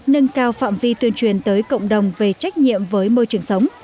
nâng cao phạm vi tuyên truyền tới cộng đồng về trách nhiệm với môi trường sống